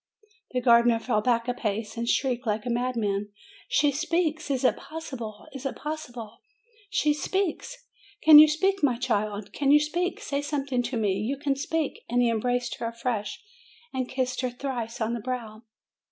The gardener fell back a pace, and shrieked like a madman: "She speaks. Is it possible! Is it possible! She speaks! Can you speak, rny child? can you speak? Say something to me: you can speak?" and he embraced her afresh, and kissed her thrice on the brow.